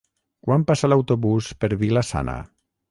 Quan passa l'autobús per Vila-sana?